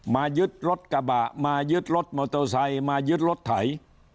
ยึดรถกระบะมายึดรถมอเตอร์ไซค์มายึดรถไถ